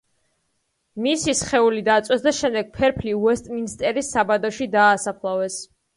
მისი სხეული დაწვეს და შემდეგ ფერფლი უესტმინსტერის სააბატოში დაასაფლავეს.